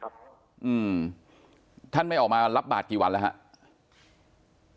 ครับค่ะอืมท่านเข้ามารับบาทกี่วันแล้วครับ